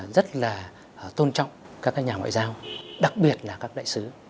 rất là tôn trọng các nhà ngoại giao đặc biệt là các đại sứ